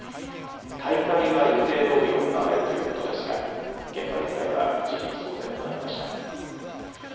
大会は予定どおり行われるということですが現場一帯は一時騒然となりました。